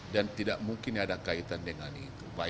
dan tidak mungkin ada kaitan dengan itu